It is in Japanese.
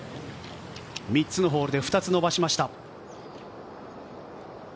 ３つのホールで２つ伸ばしました。